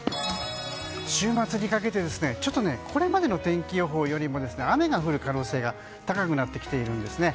週末にかけて、ちょっとこれまでの天気予報よりも雨が降る可能性が高くなってきているんですね。